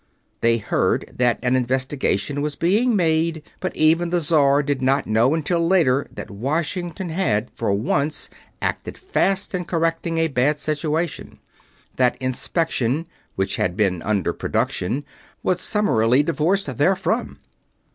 They heard that an investigation was being made, but even the Czar did not know until later that Washington had for once acted fast in correcting a bad situation; that Inspection, which had been under Production, was summarily divorced therefrom.